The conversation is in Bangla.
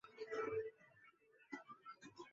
তিনি দিল্লির সেন্ট স্টিফেন কলেজের ছাত্র ছিলেন।